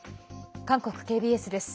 韓国ＫＢＳです。